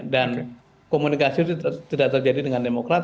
dan komunikasi itu tidak terjadi dengan demokrat